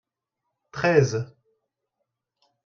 treize.